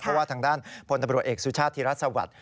เพราะว่าทางด้านพลตำรวจเอกสุชาติธิรัฐสวัสดิ์